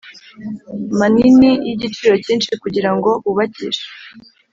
Manini y igiciro cyinshi kugira ngo bubakishe